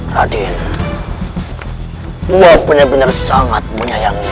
raden gua benar benar sangat menyayangi